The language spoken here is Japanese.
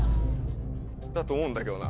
だと思うんだけどな。